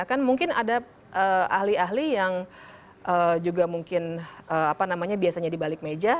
kan mungkin ada ahli ahli yang juga mungkin apa namanya biasanya di balik meja